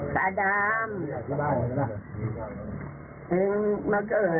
สมัรธน์งั้นนะครับ